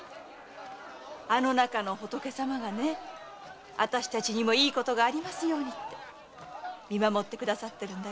あの仏様があたしたちにもいい事がありますようにって見守って下さっているんだよ。